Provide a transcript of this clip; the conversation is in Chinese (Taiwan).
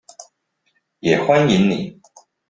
也歡迎你